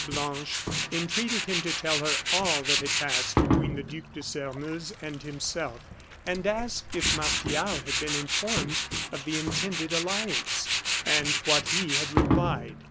Blanche entreated him to tell her all that had passed between the Duc de Sairmeuse and himself, and asked if Martial had been informed of the intended alliance, and what he had replied.